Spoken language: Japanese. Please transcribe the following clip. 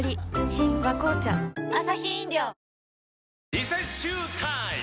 リセッシュータイム！